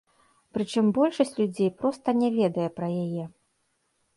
Прычым большасць людзей проста не ведае пра яе.